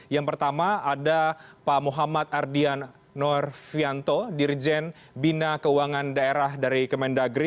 yang pertama ada pak muhammad ardian norvianto dirjen bina keuangan daerah dari kemendagri